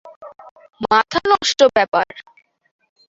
মাথা নষ্ট ব্যাপার।